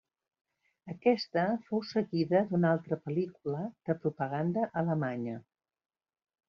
Aquesta fou seguida d'una altra pel·lícula de propaganda alemanya.